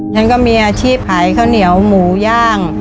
ฉันก็มีอาชีพขายข้าวเหนียวหมูย่าง